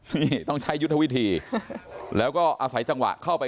นี่ต้องใช้ยุทธวิธีแล้วก็อาศัยจังหวะเข้าไป